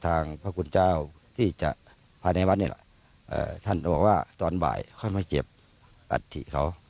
ทางพระคุณเจ้าที่จะพาในบ้านนี่แหละอ่าท่านบอกว่าตอนบ่ายเข้ามาเก็บอัฐิเขา